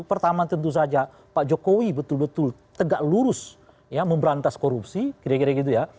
pertama tentu saja pak jokowi betul betul tegak lurus ya memberantas korupsi kira kira gitu ya